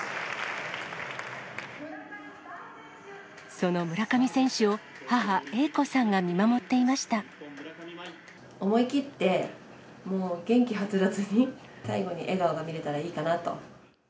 その村上選手を母、英子さん思い切って、もう元気はつらつに、最後に笑顔が見れたらいいかなと。